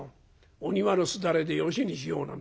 『お庭のすだれでよしにしよう』なんてね。